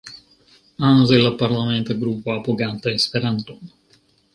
Ano de la Parlamenta Grupo Apoganta Esperanton.